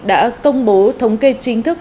đã công bố thống kê chính thức